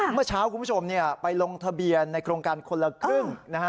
เมื่อเช้าคุณผู้ชมไปลงทะเบียนในโครงการคนละครึ่งนะฮะ